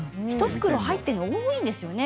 １袋に入っているの多いんですよね。